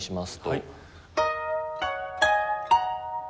はい。